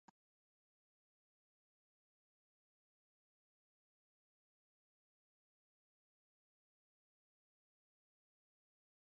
এছাড়াও পাকিস্তানের শিক্ষাপ্রতিষ্ঠানে সিরিয়ার শিক্ষার্থীরা পড়াশোনা করছে।